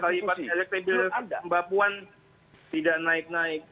kalipan elektrik bapuan tidak naik naik